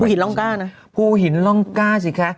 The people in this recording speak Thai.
ภูเหญินร่องก้าหน่อยภูเหญินร่องก้าสิคะ